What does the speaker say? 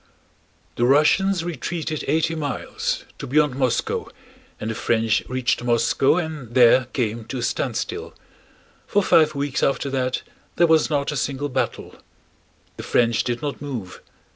The Russians retreated eighty miles—to beyond Moscow—and the French reached Moscow and there came to a standstill. For five weeks after that there was not a single battle. The French did not move.